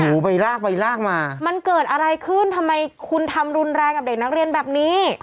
หูไปลากไปลากมามันเกิดอะไรขึ้นทำไมคุณทำรุนแรงกับเด็กนักเรียนแบบนี้